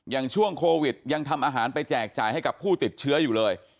อย่างช่วงโควิดยังทำอาหารไปแจกจ่ายให้กับผู้ติดเชื้ออยู่เลย